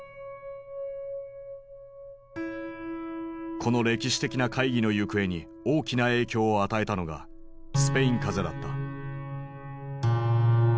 この歴史的な会議の行方に大きな影響を与えたのがスペイン風邪だった。